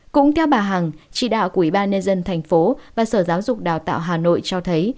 cũng theo bà hằng chỉ đạo của ủy ban nhân dân thành phố và sở giáo dục đào tạo hà nội cho thấy